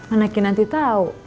anaknya nanti tau